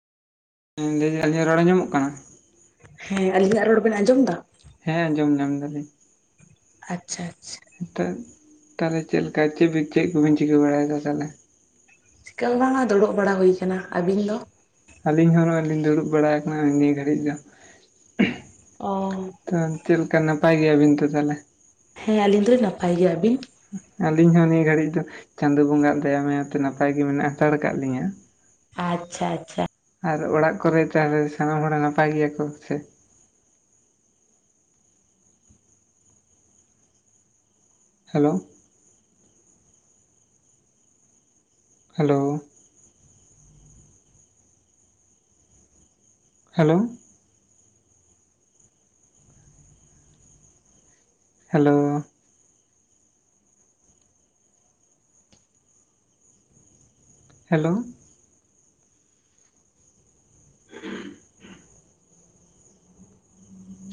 [unintelligible] ᱨᱚᱲ ᱟᱧᱚᱢᱚᱜ ᱠᱟᱱᱟ ᱦᱮᱸ ᱟᱞᱤᱧᱟᱜ ᱨᱟᱲ ᱵᱮᱱ ᱟᱸᱡᱚᱢ ᱫᱟ ᱦᱮᱸ ᱟᱸᱡᱚᱢ ᱧᱟᱢ ᱫᱟᱞᱤᱧ ᱟᱪᱪᱷᱟ ᱟᱪᱪᱷᱟ [unintelligible] ᱛᱟᱦᱚᱞᱮ ᱪᱮᱜ ᱞᱮᱠᱟ ᱪᱮᱜ ᱵᱤᱱ ᱪᱮᱜ ᱠᱚᱵᱤᱱ ᱪᱤᱠᱟᱹ ᱵᱟᱲᱟᱭᱫᱟ ᱛᱟᱦᱚᱞᱮ ᱪᱤᱠᱟ ᱦᱚᱸ ᱵᱟᱝᱟ ᱫᱩᱲᱩᱵ ᱵᱟᱲᱟ ᱦᱩᱭ ᱠᱟᱱᱟ ᱟᱹᱵᱤᱱ ᱫᱚ ᱟᱹᱞᱤᱧ ᱦᱚᱸ ᱱᱚᱜᱼᱚᱭ ᱞᱤᱧ ᱫᱩᱲᱩᱵ ᱵᱟᱲᱟ ᱠᱟᱱᱟ ᱱᱤᱭᱟᱹ ᱜᱷᱟᱹᱲᱤᱡ ᱫᱚ ᱚᱸ ᱪᱮᱜ ᱞᱮᱠᱟ ᱱᱟᱯᱟᱭ ᱜᱮᱭᱟᱵᱤᱱ ᱛᱚ ᱛᱟᱦᱚᱞᱮ ᱦᱮᱸ ᱟᱹᱞᱤᱧ ᱫᱩᱞᱤᱧ ᱱᱟᱯᱟᱭ ᱜᱮᱭᱟ ᱟᱵᱤᱱ ᱟᱹᱞᱤᱧ ᱦᱚᱸ ᱱᱤᱭᱟᱹ ᱜᱷᱟᱹᱲᱤᱡ ᱫᱚ ᱪᱟᱸᱫᱚ ᱵᱚᱸᱜᱟᱼᱟᱜ ᱫᱟᱭᱟᱢᱟᱭᱟ ᱛᱮ ᱱᱟᱯᱟᱭ ᱜᱮ ᱢᱮᱱᱟᱜ ᱦᱟᱛᱟᱲ ᱠᱟᱜ ᱞᱤᱧᱟᱹ ᱟᱪᱪᱷᱟ ᱟᱪᱪᱷᱟ ᱟᱨ ᱚᱲᱟᱜ ᱠᱚᱨᱮ [unintelligible] ᱱᱟᱯᱟᱭ ᱜᱮᱭᱟ ᱠᱚ ᱥᱮ hello hello hello hello hello [inaudible]